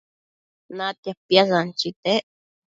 Natia piasanchitec